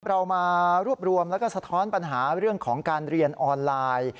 เรามารวบรวมแล้วก็สะท้อนปัญหาเรื่องของการเรียนออนไลน์